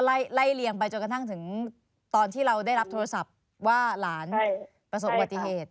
ไล่เลียงไปจนกระทั่งถึงตอนที่เราได้รับโทรศัพท์ว่าหลานประสบอุบัติเหตุ